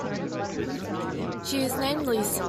She is named Lisa.